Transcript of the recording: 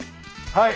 はい。